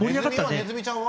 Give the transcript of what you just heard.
ねずみちゃんは？